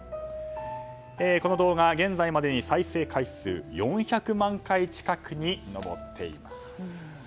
この動画、現在までに再生回数４００万回近くに上っています。